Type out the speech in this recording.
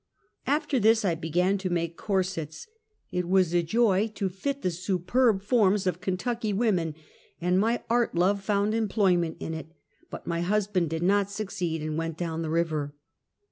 After this, I began to make corsets. It was a joy to^fit the superb forms of Kentucky women, and my art love found employment in it, but my husband did not succeed, and went down the river.